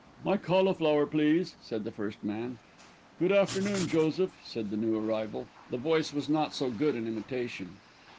"My cauliflower, please," said the first man. "Good afternoon, Joseph," said the new arrival. The voice was not so good an imitation.